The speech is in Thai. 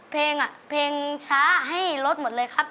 เพลงอ่ะเพลงช้าให้ลดหมดเลยครับ